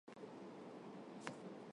Գաղտնի գործարքն արագորեն բացահայտվել է։